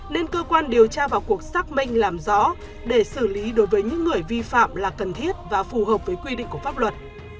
nên cơ quan điều tra vào cuộc xác minh làm rõ để xử lý đối với những người vi phạm là cần thiết và phù hợp với quy định của pháp luật